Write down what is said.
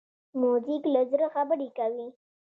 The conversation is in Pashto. موزیک له زړه خبرې کوي.